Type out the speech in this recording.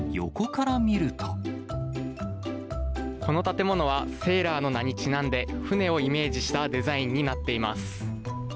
この建物は、セーラーの名にちなんで、船をイメージしたデザインになっています。